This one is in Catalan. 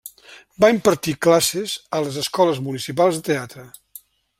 Va impartir classes a les Escoles Municipals de Teatre.